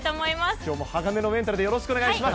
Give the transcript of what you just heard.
きょうも鋼のメンタルでよろお願いします。